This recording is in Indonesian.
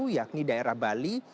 yakni daerah bali